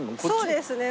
そうですね。